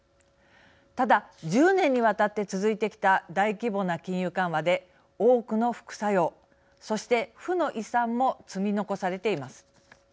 ただ１０年にわたって続いてきた大規模な金融緩和で多くの副作用そして負の遺産も積み残されています。